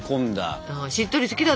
「しっとり」好きだったじゃん。